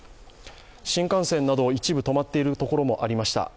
新幹線など一部止まっているところもありました。